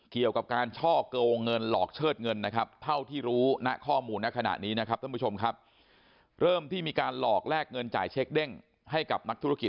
เกี่ยวกับการช่อกโกงเงินหลอกเชิดเงินนะครับ